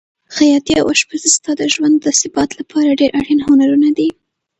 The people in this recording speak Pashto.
خیاطي او اشپزي ستا د ژوند د ثبات لپاره ډېر اړین هنرونه دي.